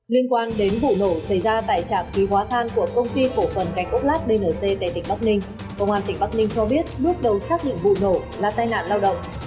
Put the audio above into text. liên quan đến vụ nổ xảy ra tại trạm khí hóa than của công ty cổ phần cày cốc lát bnc tại tỉnh bắc ninh công an tỉnh bắc ninh cho biết bước đầu xác định vụ nổ là tai nạn lao động